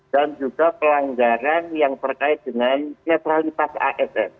dan juga pelanggaran yang terkait dengan netralitas asn